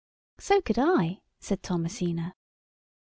"So could I," said Thomasina.